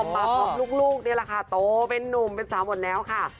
มาพร้อมลูกนี่แหละค่ะโตเป็นนุ่มเป็นสาวหมดแล้วค่ะ